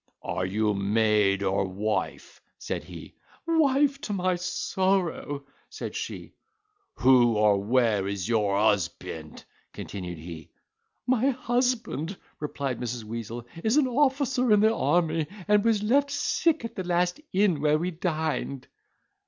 "Are you maid or wife," said he. "Wife, to my sorrow," said she. "Who, or where is your husband?" continued he. "My husband," replied Mrs. Weazel, "is an officer in the army and was left sick at the last inn where we dined."